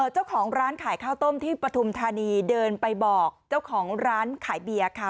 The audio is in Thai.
เจ้าของร้านขายข้าวต้มที่ปฐุมธานีเดินไปบอกเจ้าของร้านขายเบียร์ค่ะ